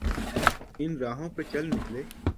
ان راہوں پہ چل نکلے۔